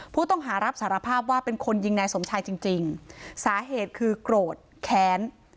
ผู้ต้องหารับสารภาพว่าเป็นคนยิงนายสมชายจริงจริงสาเหตุคือโกรธแค้น